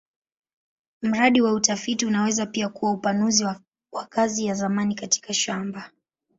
Mradi wa utafiti unaweza pia kuwa upanuzi wa kazi ya zamani katika shamba.